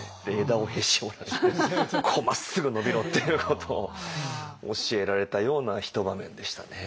枝をへし折られてまっすぐ伸びろっていうことを教えられたような一場面でしたね。